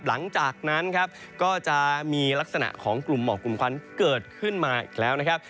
หลังจากนั้นครับก็จะมีลักษณะของกลุ่มหมอกกลุ่มควันเกิดขึ้นมาอีกแล้วนะครับ